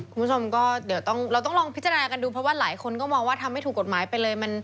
คุณผู้ชมก็เดี๋ยวเราต้องลองพิจารณากันดูเพราะว่าหลายคนก็มองว่าทำไม่ถูกกฎหมายไปเลย